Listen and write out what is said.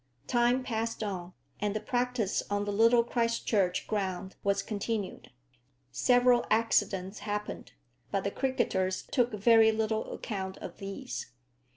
Time passed on, and the practice on the Little Christchurch ground was continued. Several accidents happened, but the cricketers took very little account of these.